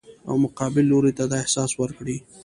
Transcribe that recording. او مقابل لوري ته دا احساس ورکړي